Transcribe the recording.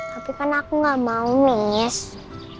tapi kan aku nggak mau miss